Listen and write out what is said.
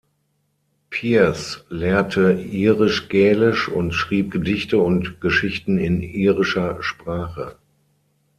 Pearse lehrte Irisch-Gälisch und schrieb Gedichte und Geschichten in irischer Sprache.